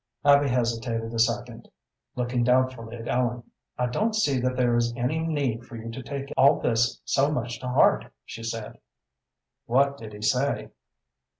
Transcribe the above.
Abby hesitated a second, looking doubtfully at Ellen. "I don't see that there is any need for you to take all this so much to heart," she said. "What did he say?"